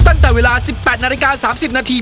ตั้งแต่เวลา๑๘นาฬิกา๓๐นาที